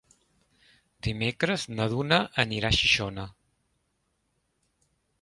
Dimecres na Duna anirà a Xixona.